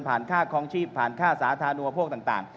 ค่าคลองชีพผ่านค่าสาธารณูปโภคต่าง